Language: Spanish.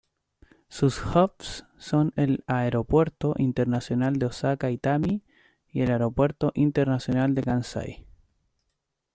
Sus hubs son el aeropuerto internacional de Osaka-Itami y el aeropuerto internacional de Kansai.